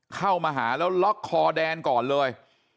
เข้ามาหาแล้วล็อกคอแดนก่อนเลย